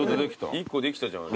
１個できたじゃん。